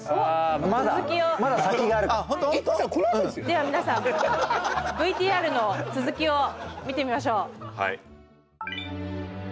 では皆さんＶＴＲの続きを見てみましょう。